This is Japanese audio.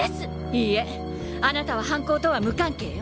いいえあなたは犯行とは無関係よ。